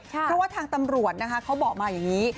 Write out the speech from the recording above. เพราะว่าทางตำรวจนะคะเขาบอกมาอย่างนี้